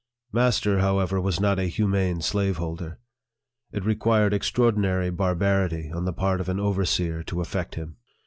Master, 'however, was not a humane slaveholder. It required extraordinary barbarity on the part of an overseer to affect him.